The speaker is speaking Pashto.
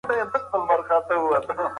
که غرونه وي نو واوره نه ویلی کیږي.